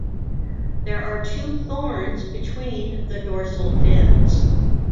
There are two thorns between the dorsal fins.